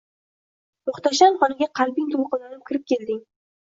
Muhtasham xonaga qalbing to’lqinlanib kirib kelding.